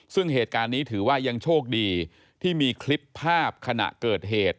ซึ่งเหตุการณ์นี้ถือว่ายังโชคดีที่มีคลิปภาพขณะเกิดเหตุ